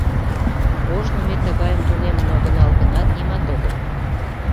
«Ожно ме тыгайым тунемын огынал гынат, нимат огыл...